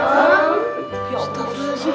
ya allah ya allah